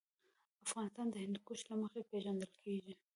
افغانستان د هندوکش له مخې پېژندل کېږي.